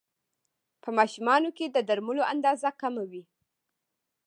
په ماشومانو کې د درملو اندازه کمه وي.